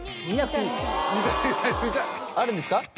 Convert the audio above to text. あるんですか？